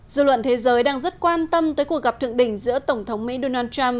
dư luận thế giới đang rất quan tâm tới cuộc gặp thượng đỉnh giữa tổng thống mỹ donald trump